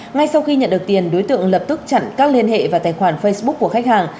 ngay sau khi nhận được tiền đối tượng lập tức chặn các liên hệ vào tài khoản facebook của khách hàng